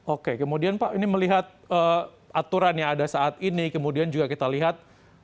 oke kemudian pak ini melihat aturan yang ada saat ini kemudian juga kita lihat